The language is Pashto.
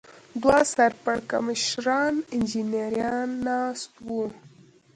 دوه سر پړکمشران انجنیران ناست و.